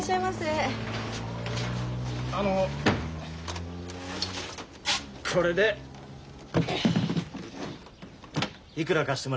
あのこれでいくら貸してもらえますかね？